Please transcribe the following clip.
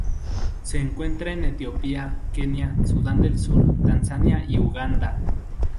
Se encuentra en Etiopía, Kenia, Sudán del Sur, Tanzania y Uganda.